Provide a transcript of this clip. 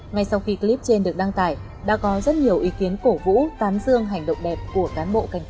ngay sau khi clip trên được đăng tải đã có rất nhiều ý kiến cổ vũ tán dương hành động đẹp của